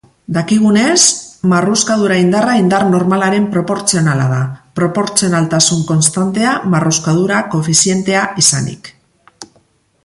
Dakigunez, marruskadura-indarra indar normalaren proportzionala da, proportzionaltasun-konstantea marruskadura-koefizientea izanik.